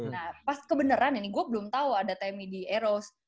nah pas kebenaran ini gue belum tahu ada temmy di eros